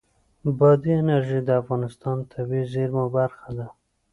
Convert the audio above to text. بادي انرژي د افغانستان د طبیعي زیرمو برخه ده.